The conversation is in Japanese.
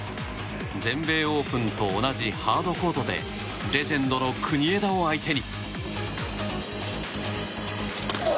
全米オープンと同じハードコートでレジェンドの国枝を相手に。